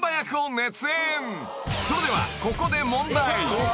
［それではここで］